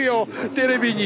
テレビに。